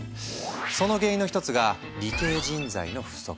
その原因の一つが理系人材の不足。